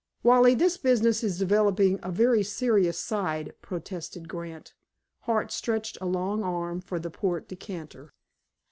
"Wally, this business is developing a very serious side," protested Grant. Hart stretched a long arm for the port decanter.